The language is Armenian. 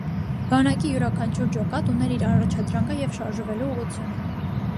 Բանակի յուրաքանչյուր ջոկատ ուներ իր առաջադրանքը և շարժվելու ուղղությունը։